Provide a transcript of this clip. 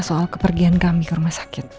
soal kepergian kami ke rumah sakit